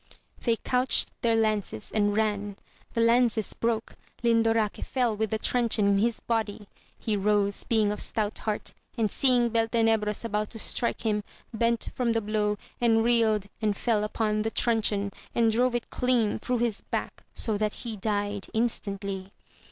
They couched their lances and ran, the lances broke, Lindoraque fell with the truncheon in his body, he rose, being of stout heart, and seeing Beltenebros about to strike him, bent from the blow, and reeled and fell upon the truncheon, and drove it clean through his back, so that he died instantly.